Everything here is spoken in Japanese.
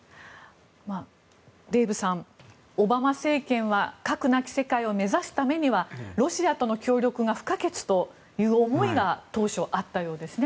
デーブさん、オバマ政権は核なき世界を目指すためにはロシアとの協力が不可欠という思いが当初、あったようですね。